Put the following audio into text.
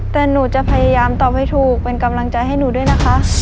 แต่หนูจะพยายามตอบให้ถูกเป็นกำลังใจให้หนูด้วยนะคะ